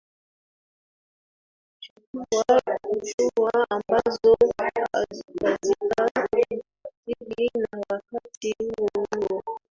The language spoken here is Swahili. chukua hatua ambazo hazita tuadhiri na wakati huo huo